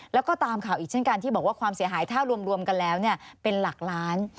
แล้วก็ตามข่าวอีกเช่นกันที่บอกว่าความเสียหายถ้ารวมกันแล้วเป็นหลักล้าน